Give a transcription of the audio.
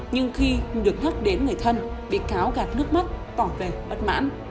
nhưng khi được nhắc đến người thân bị cáo gạt nước mắt tỏ về bất mãn